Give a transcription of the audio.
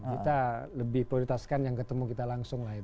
kita lebih prioritaskan yang ketemu kita langsung lah ya